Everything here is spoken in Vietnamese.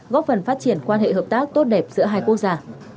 góp phần phát triển quan hệ hợp tác tốt đẹp giữa hai quốc gia